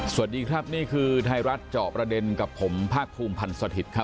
สวัสดีครับนี่คือไทยรัฐจอบราเดญกับผมภากภูมิพันธ์สถิตย์